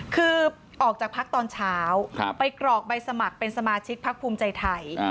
คือออกจากพักตอนเช้าไปกรอกใบสมัครเป็นสมาชิกพักภูมิใจไทย